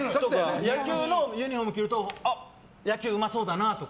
野球のユニホームを着ると野球うまそうだなって。